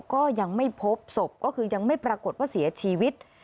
ก็ยังไม่พบศพก็คือยังไม่ปรากฏว่าเสียชีวิต